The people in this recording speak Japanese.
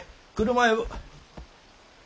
車呼ぶ。